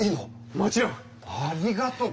もちろん！ありがとう！